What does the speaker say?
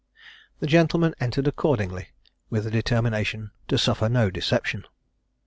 The gentlemen entered accordingly, with a determination to suffer no deception.